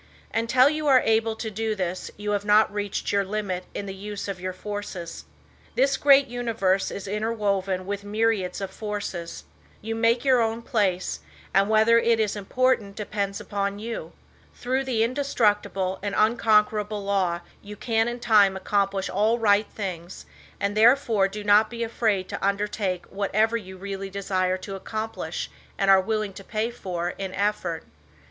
Until you are able to do this you have not reached your limit in the use of your forces. This great universe is interwoven with myriads of forces. You make your own place, and whether it is important depends upon you. Through the Indestructible and Unconquerable Law you can in time accomplish all right things and therefore do not be afraid to undertake whatever you really desire to accomplish and are willing to pay for in effort.